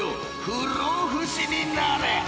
不老不死になれ］